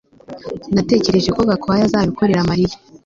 Natekereje ko Gakwaya azabikorera Mariya